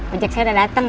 ojek saya udah dateng